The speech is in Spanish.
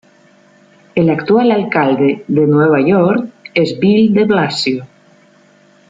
El actual alcalde de Nueva York es Bill de Blasio.